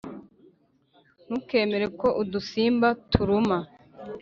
ntukemere ko udusimba turuma.